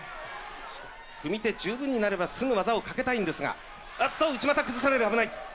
組手十分になればすぐ技をかけたいんですが、あっと、内股崩される、危ない。